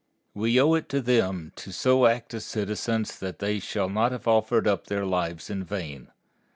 We owe it to them to so act as citizens that they shall not have offered up their lives in vain.